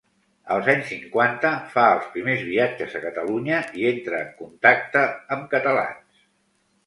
Els anys cinquanta fa els primers viatges a Catalunya i entra en contacte amb catalans.